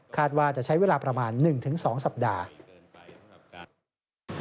ว่าจะใช้เวลาประมาณ๑๒สัปดาห์